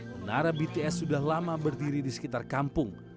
menara bts sudah lama berdiri di sekitar kampung